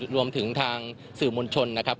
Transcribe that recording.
รวมถึงทางสื่อมวลชนนะครับ